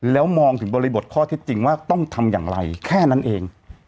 แล้วมองถึงบริบทข้อเท็จจริงว่าต้องทำอย่างไรแค่นั้นเอง